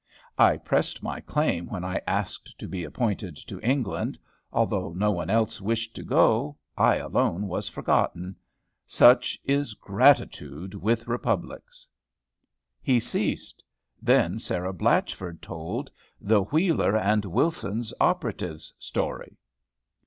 I pressed my claim, when I asked to be appointed to England. Although no one else wished to go, I alone was forgotten. Such is gratitude with republics! He ceased. Then Sarah Blatchford told THE WHEELER AND WILSON'S OPERATIVE'S STORY.